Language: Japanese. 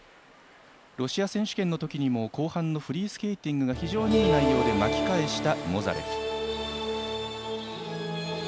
ロシア選手権のときにも後半のフリースケーティングが非常にいい内容で巻き返したモザレフ。